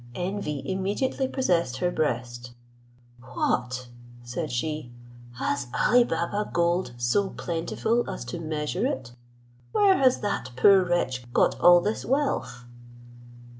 Envy immediately possessed her breast. "What!" said she, "has Ali Baba gold so plentiful as to measure it? Where has that poor wretch got all this wealth?